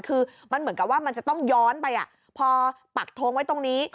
คือมันเหมือนกับว่ามันจะต้องย้อนไปพอปักทงไว้ตรงนี้